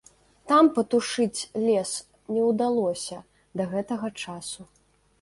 Там патушыць лес не ўдалося да гэтага часу.